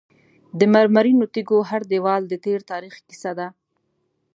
د مرمرینو تیږو هر دیوال د تیر تاریخ کیسه ده.